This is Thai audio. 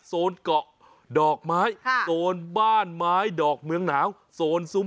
สุดยอดน้ำมันเครื่องจากญี่ปุ่น